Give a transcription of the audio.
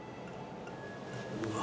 うわ。